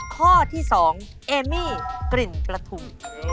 ข้อที่๒เอมี่กิมพะทุม